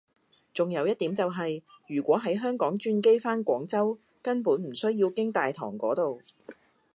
仲有一點就係如果喺香港轉機返廣州根本唔需要經大堂嗰度